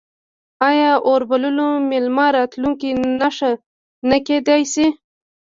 آیا اور بلول د میلمه د راتلو نښه نه کیدی شي؟